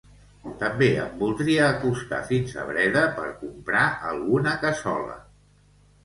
També em voldria acostar fins a Breda per comprar alguna cassola